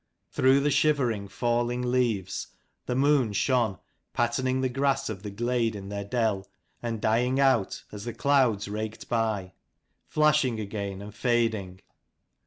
Through the shivering, falling leaves the moon shone, patterning the grass of the glade in their dell, and dying out as the clouds raked by; flashing again, and fading.